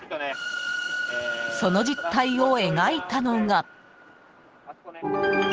その実態を描いたのが。